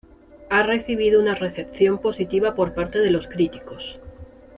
Ha recibido una recepción positiva por parte de los críticos.